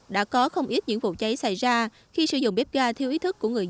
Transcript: đã có không ít những vụ cháy xảy ra khi sử dụng bếp ga theo ý thức của người dân